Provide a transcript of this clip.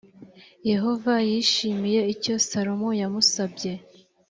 yehova yishimiye icyo salomo yamusabye .